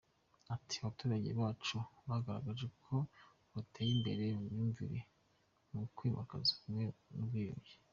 Ati ”Abaturage bacu bagaragaje ko bateye imbere mu myumvire mu kwimakaza ubumwe n’ubwiyunge.